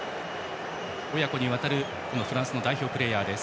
親子にわたるフランスの代表プレーヤーです。